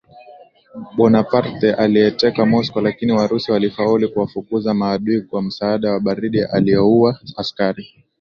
Bonaparte aliyeteka Moscow lakini Warusi walifaulu kuwafukuza maadui kwa msaada wa baridi iliyoua askari